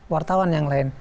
wartawan yang lain